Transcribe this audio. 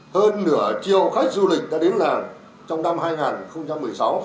hơn nửa triệu khách du lịch đã đến làm trong năm hai nghìn một mươi sáu